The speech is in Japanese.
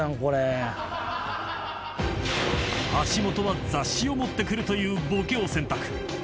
［橋本は雑誌を持ってくるというボケを選択］